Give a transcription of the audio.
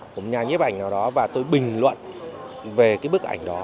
một nhà nhiếp ảnh nào đó và tôi bình luận về bức ảnh đó